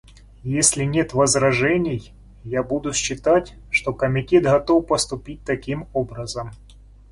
Если нет возражений, я буду считать, что Комитет готов поступить таким образом.